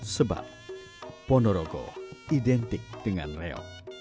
sebab ponorogo identik dengan reok